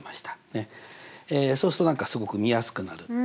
そうすると何かすごく見やすくなる。